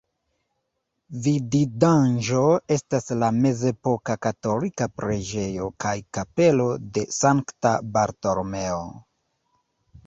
Vidindaĵo estas la mezepoka katolika preĝejo kaj kapelo de Sankta Bartolomeo.